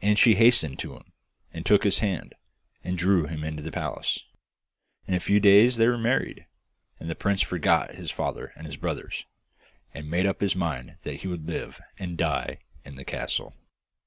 And she hastened to him, and took his hand, and drew him into the palace. In a few days they were married, and the prince forgot his father and his brothers, and made up his mind that he would live and die in the castle.